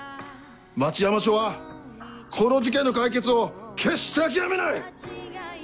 町山署はこの事件の解決を決して諦めない！